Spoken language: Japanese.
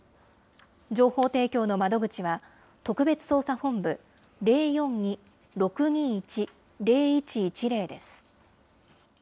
情報提供の窓口は、特別捜査本部０４２ー６２１ー０１１０です。